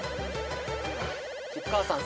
菊川さん